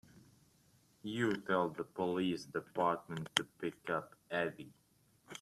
You tell the police department to pick up Eddie.